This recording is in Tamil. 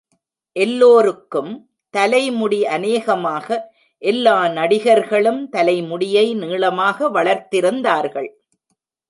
எல்லோருக்கும் தலைமுடி அநேகமாக எல்லா நடிகர்களும் தலைமுடியை நீளமாக வளர்த்திருந்தார்கள்.